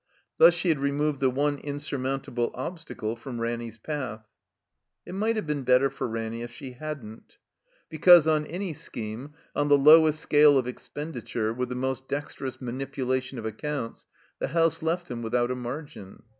Thus she had removed the one insurmountable obstacle from Ranny's path. It might have been better for Raimy if she hadn't. I3S THE COMBINED MAZE Because, on any scheme, on the lowest scale of ex pendittire, with the most dexterous manipulation of accotmts, the house left him without a margin.